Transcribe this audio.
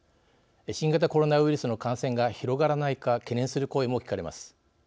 新型コロナウイルスの感染が広がらないか懸念する声も聞かれます。